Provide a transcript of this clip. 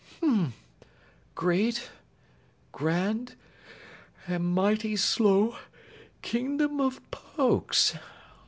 "Um Great Grand and Mighty Slow Kingdom of Pokes!